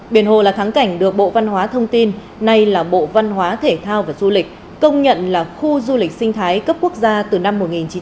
biển hồ là thắng cảnh được bộ văn hóa thông tin nay là bộ văn hóa thể thao và du lịch công nhận là khu du lịch sinh thái cấp quốc gia từ năm một nghìn chín trăm chín mươi